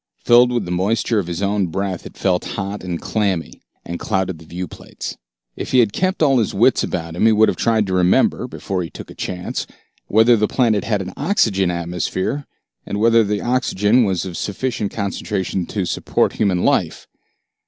Filled with the moisture of his own breath, it felt hot and clammy, and clouded the viewplates. If he had kept all his wits about him he would have tried to remember, before he took a chance, whether the planet had an oxygen atmosphere, and whether the oxygen was of sufficient concentration to support human life.